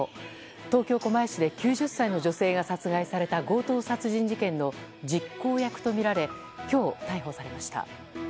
東京・狛江市で９０歳の女性が殺害された強盗殺人事件の実行役とみられ今日、逮捕されました。